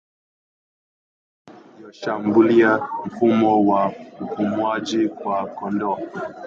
Magonjwa yanayoshambulia mfumo wa upumuaji kwa kondoo